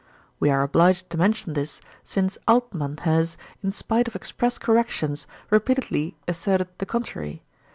We are obliged to mention this, since Altmann has, in spite of express corrections, repeatedly asserted the contrary.